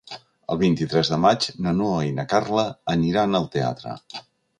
El vint-i-tres de maig na Noa i na Carla aniran al teatre.